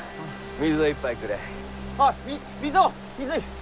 水。